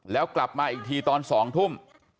แล้วกลับมาอีกทีตอน๒ทุ่ม